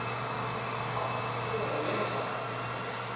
あっ、姿が見えました。